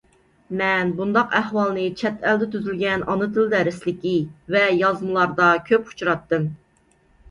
مەن بۇنداق ئەھۋالنى چەت ئەلدە تۈزۈلگەن ئانا تىل دەرسلىكى ۋە يازمىلاردا كۆپ ئۇچراتتىم.